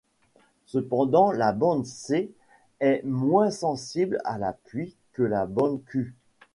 Cependant la bande C est moins sensible à la pluie que la bande Ku.